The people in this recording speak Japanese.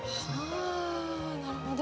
はあなるほど。